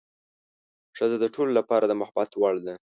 ښځه د ټولو لپاره د محبت وړ ده.